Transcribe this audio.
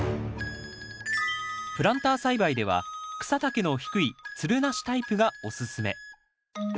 プランター栽培では草丈の低いつるなしタイプがおすすめ。